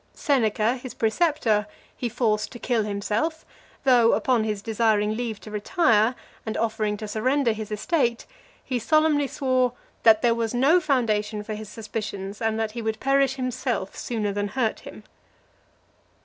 Seneca, his preceptor, he forced to kill himself , though, upon his desiring leave to retire, and offering to surrender his estate, he solemnly swore, "that there was no foundation for his suspicions, and that he would perish himself sooner than hurt him."